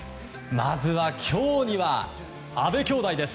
まず、今日は阿部兄妹です。